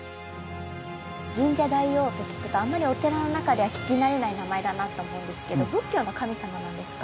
深沙大王と聞くとあんまりお寺の中では聞きなれない名前だなと思うんですけど仏教の神様なんですか？